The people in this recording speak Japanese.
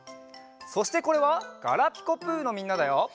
そしてこれは「ガラピコぷ」のみんなだよ。